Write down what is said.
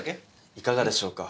いかがでしょうか？